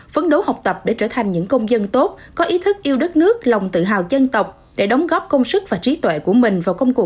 phấn đấu học tập để trở thành những công dân tốt có ý thức yêu đất nước lòng tự hào dân tộc để đóng góp công sức và trí tuệ của mình